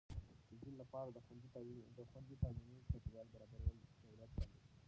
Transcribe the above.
د نجونو لپاره د خوندي تعلیمي چاپیریال برابرول د دولت دنده ده.